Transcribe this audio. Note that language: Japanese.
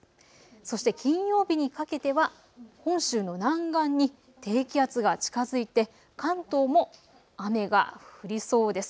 そして金曜日にかけては本州の南岸に低気圧が近づいて関東も雨が降りそうです。